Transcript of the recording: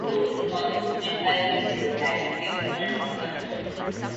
The road is almost entirely single carriageway resulting in congestion.